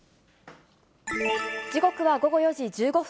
時刻は午後４時１５分。